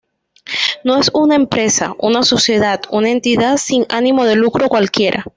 No es una empresa, una sociedad, una entidad sin ánimo de lucro cualquiera.